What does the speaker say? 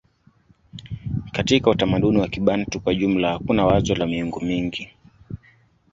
Katika utamaduni wa Kibantu kwa jumla hakuna wazo la miungu mingi.